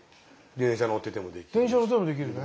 電車乗っててもできるね。